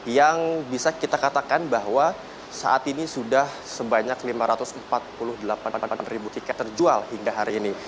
yang bisa kita katakan bahwa saat ini sudah sebanyak lima ratus empat puluh delapan ribu tiket terjual hingga hari ini